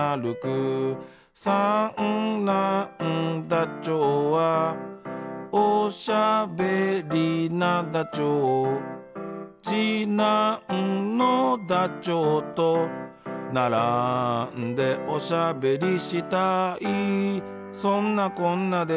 「三男ダチョウはおしゃべりなダチョウ」「次男のダチョウと並んでおしゃべりしたい」「そんなこんなです」